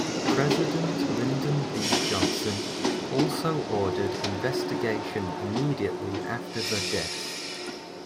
President Lyndon B. Johnson also ordered investigation immediately after the death.